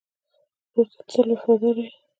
ورور ته تل وفادار یې.